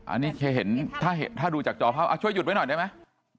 อันนี้เคยเห็นถ้าดูจากจอภาพช่วยหยุดไว้หน่อยได้ไหม